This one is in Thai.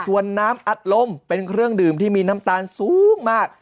ส่วนน้ำอัดลมเป็นเครื่องดื่มที่มีน้ำตาลสูงมาก